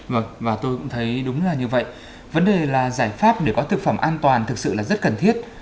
vâng và tôi cũng thấy đúng là như vậy vấn đề là giải pháp để có thực phẩm an toàn thực sự là rất cần thiết